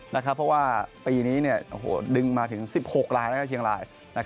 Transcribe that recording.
เพราะว่าปีนี้ดึงมาถึง๑๖ลายแล้วก็เชียงราย